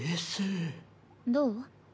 どう？